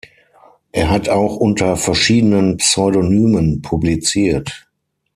Er hat auch unter verschiedenen Pseudonymen publiziert.